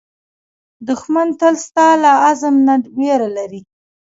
دښمن تل ستا له عزم نه وېره لري